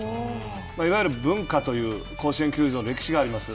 いわゆる文化という、甲子園球場の歴史があります。